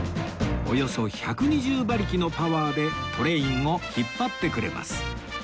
およそ１２０馬力のパワーでトレインを引っ張ってくれます